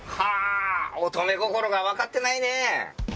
乙女心が分かってないねぇ。